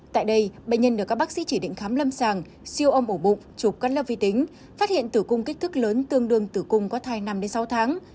tại đây bệnh nhân được các bác sĩ chỉ định khám lâm sàng siêu âm ổ bụng chụp cắt lớp vi tính phát hiện tử cung kích thước lớn tương đương tử cung có thai năm đến sáu tháng